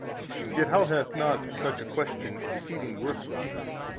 A. Yet how hath not such a question exceeding worthlessness?